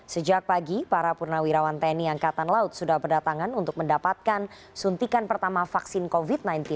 sejak pagi para purnawirawan tni angkatan laut sudah berdatangan untuk mendapatkan suntikan pertama vaksin covid sembilan belas